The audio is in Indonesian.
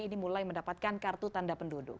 ini mulai mendapatkan kartu tanda penduduk